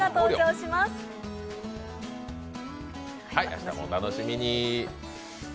明日もお楽しみに。